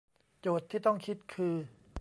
โจทย์ที่ต้องคิดคือ